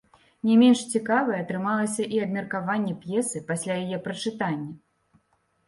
Не менш цікавай атрымалася і абмеркаванне п'есы пасля яе прачытання.